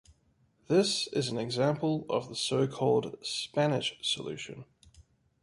This is an example of the so-called Spanish solution.